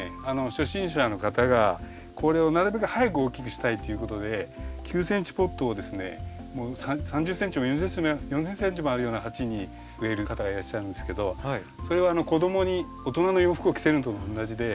初心者の方がこれをなるべく早く大きくしたいっていうことで９ｃｍポットをですね３０ｃｍも４０ｃｍもあるような鉢に植える方がいらっしゃるんですけどそれは子供に大人の洋服を着せるのと同じで。